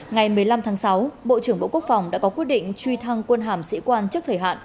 ngày một mươi năm tháng sáu bộ trưởng bộ quốc phòng đã có quyết định truy thăng quân hàm sĩ quan trước thời hạn